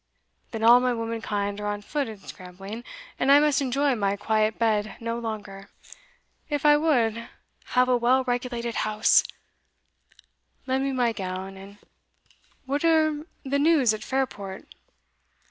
"Then all my womankind are on foot and scrambling, and I must enjoy my quiet bed no longer, if I would have a well regulated house Lend me my gown. And what are the news at Fairport?"